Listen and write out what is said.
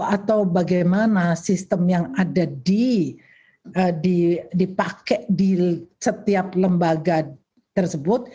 atau bagaimana sistem yang ada dipakai di setiap lembaga tersebut